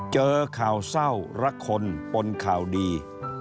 เจอข่าวเศร้ารักคนปนข่าวดี